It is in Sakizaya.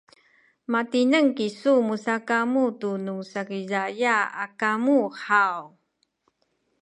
matineng kisu musakamu tunu Sakizaya a kamu haw?